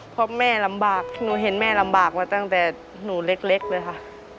เพราะแม่ลำบากหนูเห็นแม่ลำบากมาตั้งแต่หนูเล็กเลยค่ะ